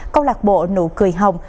công lạc bộ nụ cười hồng